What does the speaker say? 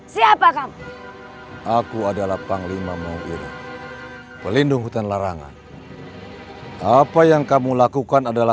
siapa kamu aku adalah panglima maung iruh pelindung hutan larangan apa yang kamu lakukan adalah